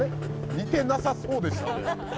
似てなさそうでしたね」